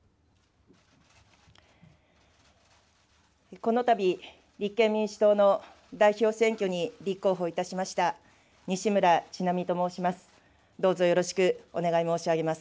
このたび、立憲民主党の代表選挙に立候補いたしました、西村智奈美と申します。